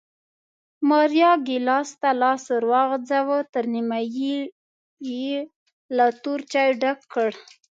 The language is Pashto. ماریا ګېلاس ته لاس ور وغځاوه، تر نیمایي یې له تور چای ډک کړ